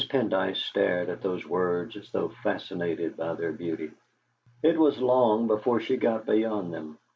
Pendyce stared at those words as though fascinated by their beauty; it was long before she got beyond them.